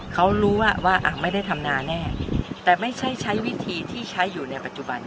เขารู้ว่าว่าอ่ะไม่ได้ทำนาแน่แต่ไม่ใช่ใช้วิธีที่ใช้อยู่ในปัจจุบัน